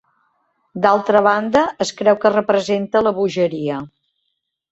D'altra banda, es creu que representa la bogeria.